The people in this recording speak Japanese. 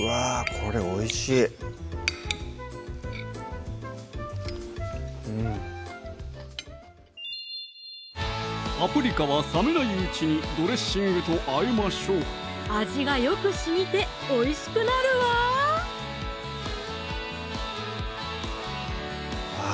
これおいしいうんパプリカは冷めないうちにドレッシングと和えましょう味がよくしみておいしくなるわあぁ